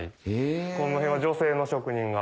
この辺は女性の職人が。